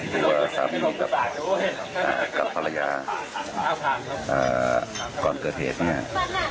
หรือว่าสามีกับอ่ากับภรรยาอ่าก่อนเกิดเหตุเนี้ยอ่า